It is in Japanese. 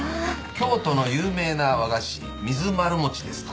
「京都の有名な和菓子水まる餅です」と。